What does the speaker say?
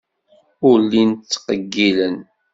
Ur llin ttqeyyilen.